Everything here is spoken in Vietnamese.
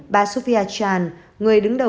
bà sophia chan người đứng đầu